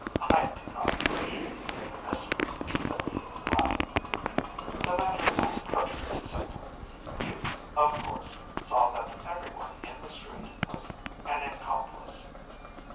‚ÄĚ “I do not wish to make a mystery,‚ÄĚ said he, laughing. “The matter was perfectly simple. You, of course, saw that everyone in the street was an accomplice.